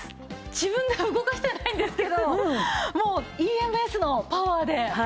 自分では動かしてないんですけどもうＥＭＳのパワーでつかまれてますね。